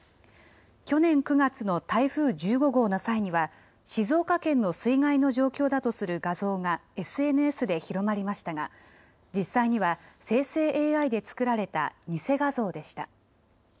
去年９月の台風１５号の際には、静岡県の水害の状況だとする画像がＳＮＳで広まりましたが、実際には生成ＡＩで作られた偽画像でした。